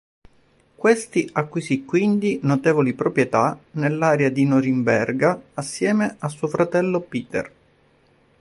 Questi acquisì quindi notevoli proprietà nell'area di Norimberga assieme a suo fratello Peter.